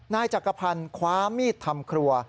นายจักรพันธ์คว้ามีดทำครัว